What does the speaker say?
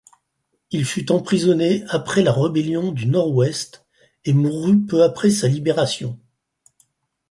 Il fut emprisonné après la Rébellion du Nord-Ouest et mourut peu après sa libération.